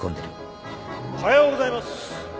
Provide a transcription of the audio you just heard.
・おはようございます！